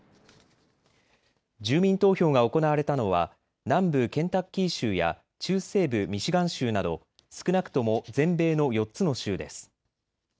住民投票が行われたのは南部ケンタッキー州や中西部ミシガン州など少なくとも全米の４つの州です。